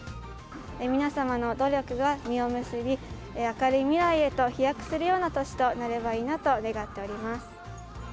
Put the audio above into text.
皆様の努力が実を結び、明るい未来へと飛躍するような年となればいいなと願っております。